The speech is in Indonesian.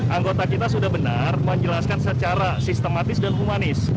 anggota kita sudah benar menjelaskan secara sistematis dan humanis